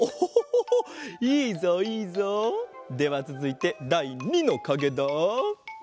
いいぞいいぞ。ではつづいてだい２のかげだ！